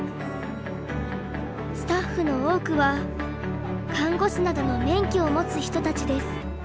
スタッフの多くは看護師などの免許を持つ人たちです。